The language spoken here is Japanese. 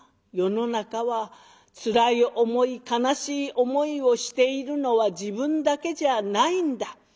世の中はつらい思い悲しい思いをしているのは自分だけじゃないんだ。